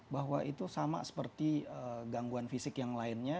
bahwa itu sama seperti gangguan fisik yang lainnya